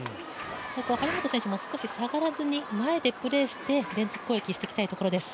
張本選手も、少し下がらずに前でプレーして連続攻撃していきたいところです。